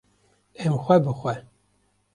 Em xwe bi xwe